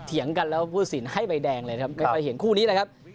เถียงกันแล้วผู้สินให้ใบแดงเลยครับไม่ค่อยเห็นคู่นี้เลยครับ